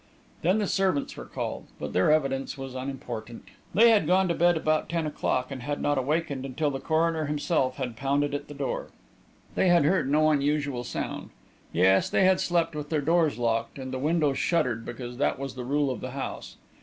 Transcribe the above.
Then the servants were called, but their evidence was unimportant. They had gone to bed about ten o'clock, and had not awakened until the coroner himself had pounded at the door. They had heard no unusual sound. Yes, they had slept with their doors locked and windows shuttered because that was the rule of the house.